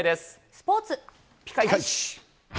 スポーツピカイチ。